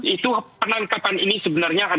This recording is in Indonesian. itu penangkapan ini sebenarnya